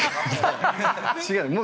◆違う。